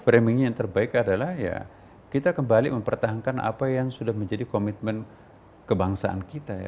framingnya yang terbaik adalah ya kita kembali mempertahankan apa yang sudah menjadi komitmen kebangsaan kita ya